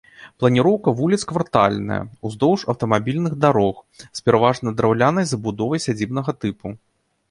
Планіроўка вуліц квартальная, уздоўж аўтамабільных дарог, з пераважна драўлянай забудовай сядзібнага тыпу.